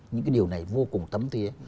những cái điều này vô cùng thấm thiế